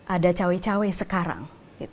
ada cawe cawe sekarang